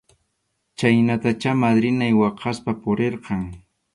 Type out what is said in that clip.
Chhaynatachá madrinay waqaspa purirqan.